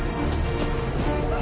あ！